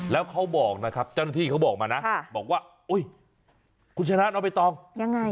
แล้วเขาบอกนะครับเจ้าหน้าที่เขาบอกมานะบอกว่าอุ้ยคุณชนะน้องใบตองยังไง